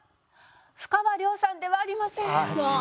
ふかわりょうさんではありません。